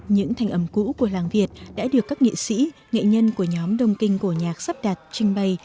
những thành ẩm cũ của làng việt đã được các nghệ sĩ nghệ nhân của nhóm đông kinh cổ nhạc sắp đạt trình bày